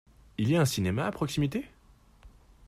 Il y a un cinéma à proximité ?